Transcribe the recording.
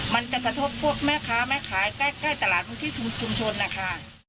มันจะกระทบพวกแม่ค้าแม่ขายใกล้ตลาดพื้นที่ชุมชนนะคะ